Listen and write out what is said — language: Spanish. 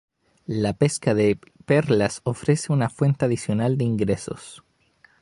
La pesca de perlas ofrece una fuente adicional de ingresos.